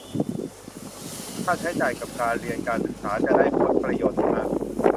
ถ้าใช้จ่ายกับการเรียนการศึกษาจะได้ผลประโยชน์ดีมาก